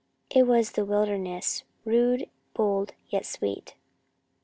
It was the wilderness, rude, bold, yet sweet.